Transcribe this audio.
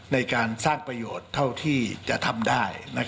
ในการสร้างประโยชน์เท่าที่จะทำได้